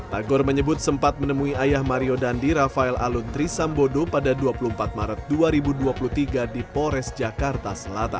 tagor menyebut sempat menemui ayah mario dandi rafael alun trisambodo pada dua puluh empat maret dua ribu dua puluh tiga di pores jakarta selatan